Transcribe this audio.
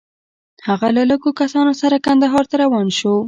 هغه له لږو کسانو سره کندهار ته روان شو.